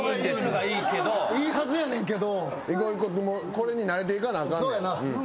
これに慣れていかなあかんねん。